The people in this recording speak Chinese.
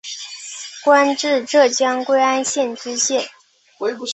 官至浙江归安县知县。